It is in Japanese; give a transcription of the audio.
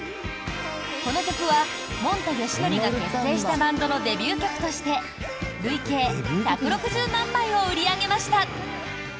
この曲は、もんたよしのりが結成したバンドのデビュー曲として累計１６０万枚を売り上げました。